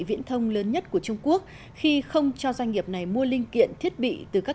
viễn thông lớn nhất của trung quốc khi không cho doanh nghiệp này mua linh kiện thiết bị từ các